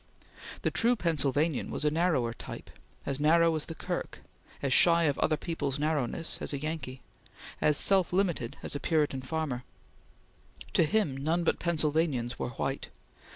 The true Pennsylvanian was a narrower type; as narrow as the kirk; as shy of other people's narrowness as a Yankee; as self limited as a Puritan farmer. To him, none but Pennsylvanians were white.